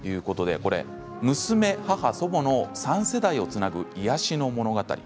娘、母、祖母の３世代をつなぐ癒やしの物語。